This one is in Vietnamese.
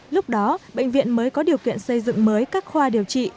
lúc đó bệnh viện mới có điều kiện xây dựng mới các khoa điều trị